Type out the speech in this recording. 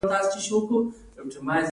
دا د بودیجوي اجناسو د سند برابرول اسانوي.